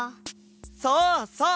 そうそう！